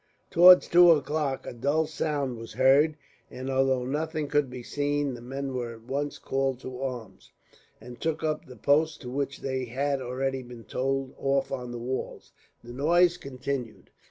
Towards two o'clock a dull sound was heard and, although nothing could be seen, the men were at once called to arms, and took up the posts to which they had already been told off on the walls. The noise continued.